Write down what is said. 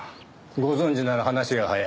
ご存じなら話が早い。